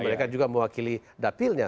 tapi juga mewakili dapilnya